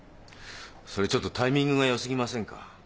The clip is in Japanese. それちょっとタイミングがよすぎませんか？